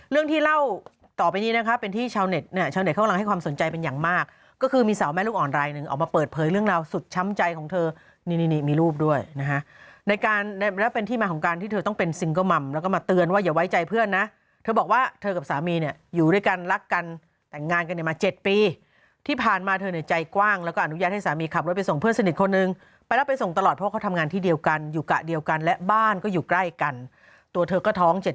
เรื่องที่เล่าต่อไปนี้นะคะเป็นที่ชาวเน็ตเนี่ยชาวเน็ตเขากำลังให้ความสนใจเป็นอย่างมากก็คือมีสาวแม่ลูกอ่อนไลน์หนึ่งออกมาเปิดเผยเรื่องราวสุดช้ำใจของเธอนี่มีรูปด้วยนะฮะในการแล้วเป็นที่มาของการที่เธอต้องเป็นซิงเก้าม่ำแล้วก็มาเตือนว่าอย่าไว้ใจเพื่อนนะเธอบอกว่าเธอกับสามีเนี่ยอยู่ด้วยกันรัก